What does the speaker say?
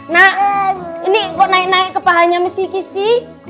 nah ini kok naik naik ke pahanya miss kikisi